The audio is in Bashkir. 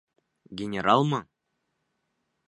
Генералмы?